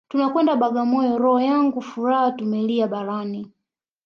Tunakwenda Bagamoyo roho yangu furahi tumelia barani